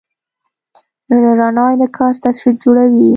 د رڼا انعکاس تصویر جوړوي.